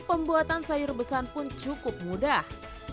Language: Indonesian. pembuatan sayur besar pun cukup mudah